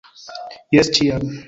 Jes, ĉiam!